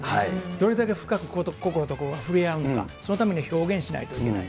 どれだけ深く心と心を触れ合うのか、そのために表現しないといけない。